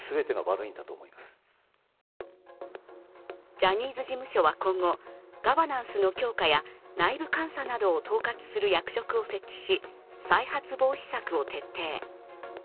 ジャニーズ事務所は今後、ガバナンスの強化や内部監査などを統括する役職を設置し、再発防止策を徹底。